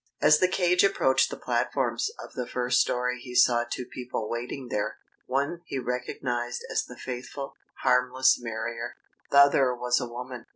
As the cage approached the platforms of the first story he saw two people waiting there; one he recognised as the faithful, harmless Marrier; the other was a woman.